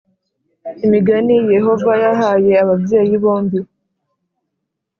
Imigani Yehova yahaye ababyeyi bombi